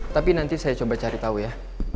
tapi nanti saya coba cari tahu ya